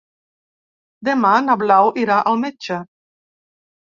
Demà na Blau irà al metge.